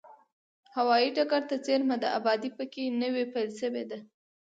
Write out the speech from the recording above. هوایي ډګر ته څېرمه ده، ابادي په کې نوې پیل شوې ده.